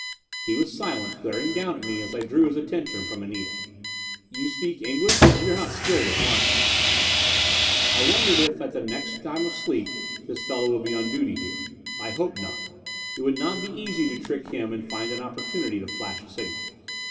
He was silent, glaring down at me as I drew his attention from Anita. "You speak English? We are not skilled with Martian." I wondered if at the next time of sleep this fellow would be on duty here. I hoped not; it would not be easy to trick him and find an opportunity to flash a signal.